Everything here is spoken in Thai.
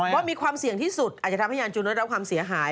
ว่ามีความเสี่ยงที่สุดอาจจะทำให้ยานจูนดรับความเสียหาย